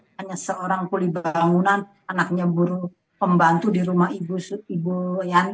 hanya seorang kuli bangunan anaknya buru pembantu di rumah ibu yanti